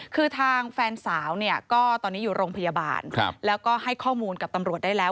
คือทางแฟนสาวเนี่ยก็ตอนนี้อยู่โรงพยาบาลแล้วก็ให้ข้อมูลกับตำรวจได้แล้ว